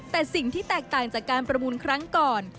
แต่สิ่งที่แตกต่างจากการประมูลครั้งก่อน